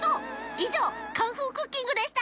いじょう「カンフークッキング」でした！